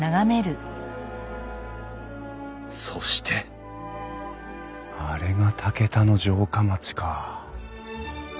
そしてあれが竹田の城下町か。